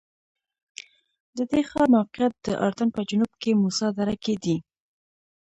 د دې ښار موقعیت د اردن په جنوب کې موسی دره کې دی.